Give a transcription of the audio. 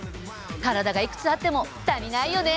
体がいくつあっても足りないよね。